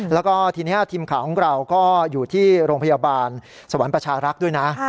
แล้วก็ทีนี้ทีมข่าวของเราก็อยู่ที่โรงพยาบาลสวรรค์ประชารักษ์ด้วยนะ